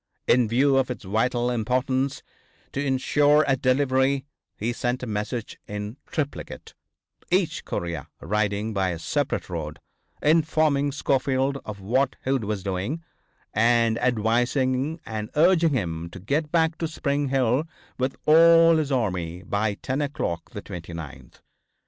In view of its vital importance, to insure a delivery, he sent a message in triplicate, each courier riding by a separate road, informing Schofield of what Hood was doing, and advising and urging him to get back to Spring Hill with all his army by 10 o'clock, the 29th.